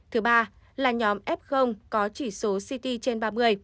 thứ ba là nhóm f có chỉ số ct trên ba mươi